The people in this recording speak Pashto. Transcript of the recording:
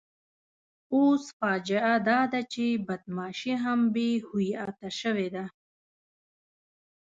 اوس فاجعه داده چې بدماشي هم بې هویته شوې ده.